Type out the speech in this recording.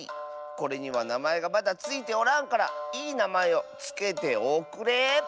これにはなまえがまだついておらんからいいなまえをつけておくれ。